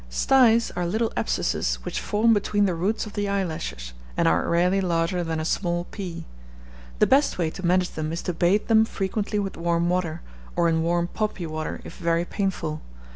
Styes are little abscesses which form between the roots of the eyelashes, and are rarely larger than a small pea. The best way to manage them is to bathe them frequently with warm water, or in warm poppy water, if very painful.